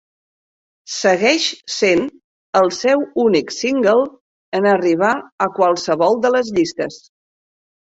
Segueix sent el seu únic single en arribar a qualsevol de les llistes.